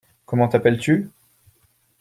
Comment t’appelles-tu ?